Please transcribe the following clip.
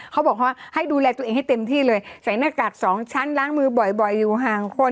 เขาบอกว่าให้ดูแลตัวเองให้เต็มที่เลยใส่หน้ากากสองชั้นล้างมือบ่อยอยู่ห่างคน